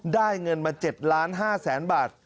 ได้เงินมา๗๕๐๐๐๐บาท